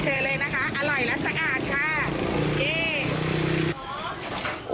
เชิญเลยนะคะอร่อยและสะอาดค่ะนี่